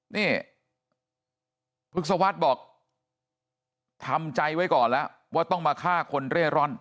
นี่พฤกษวรรษบอกทำใจไว้ก่อนแล้วว่าต้องมาฆ่าคนเร่ร่อน